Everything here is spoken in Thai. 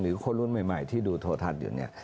หรือคนรุ่นใหม่ที่ดูโทษทันอยู่นี่